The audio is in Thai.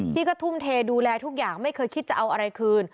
ที่ก็ทุ่มเทดูแลทุกอย่างไม่เคยคิดจะเอาอะไรคืน